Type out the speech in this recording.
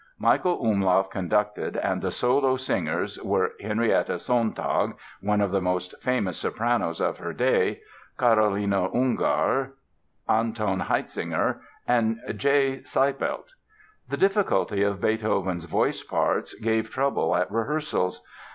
Michael Umlauf conducted and the solo singers were Henriette Sontag (one of the most famous sopranos of her day), Karolina Unger, Anton Haitzinger, and J. Seipelt. The difficulty of Beethoven's voice parts gave trouble at rehearsals.